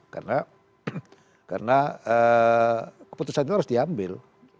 karena karena keputusannya harus diambil